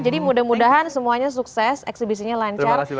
jadi mudah mudahan semuanya sukses eksibisinya lancar